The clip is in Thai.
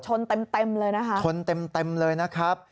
ชนเต็มเลยนะคะชนเต็มเลยนะครับ